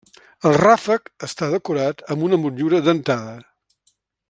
El ràfec està decorat amb una motllura dentada.